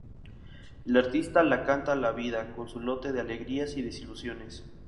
El artista le canta a la vida, con su lote de alegrías y desilusiones.